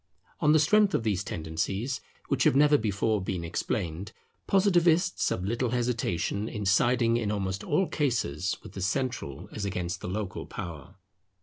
On the strength of these tendencies, which have never before been explained, Positivists have little hesitation in siding in almost all cases with the central as against the local power.